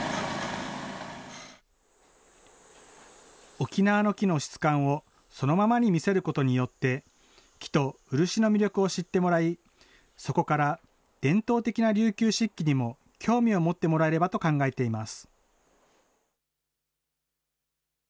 沖縄の木の質感をそのままに見せることによって、木と漆の魅力を知ってもらい、そこから伝統的な琉球漆器にも興味を持ってもらえればと考えています。